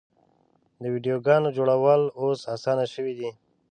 د ویډیوګانو جوړول اوس اسانه شوي دي.